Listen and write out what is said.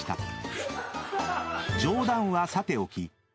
［冗談はさておき］